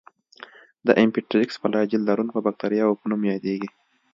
د امفيټرایکس فلاجیل لرونکو باکتریاوو په نوم یادیږي.